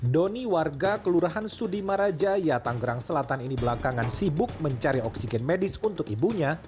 doni warga kelurahan sudimaraja yatanggerang selatan ini belakangan sibuk mencari oksigen medis untuk ibunya